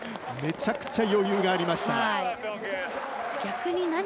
めちゃくちゃ余裕がありました。